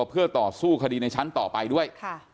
เพื่อต่อสู้คดีในชั้นต่อไปด้วย